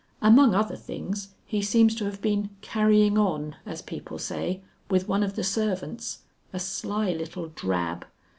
Among other things, he seems to have been 'carrying on,' as people say, with one of the servants, a sly little drab....